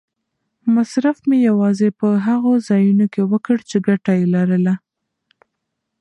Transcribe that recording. مصرف مې یوازې په هغو ځایونو کې وکړ چې ګټه یې لرله.